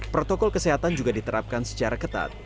protokol kesehatan juga diterapkan secara ketat